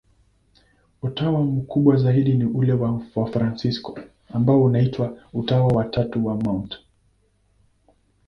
Utawa mkubwa zaidi ni ule wa Wafransisko, ambao unaitwa Utawa wa Tatu wa Mt.